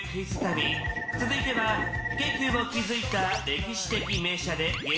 続いては京急を築いた歴史的名車で激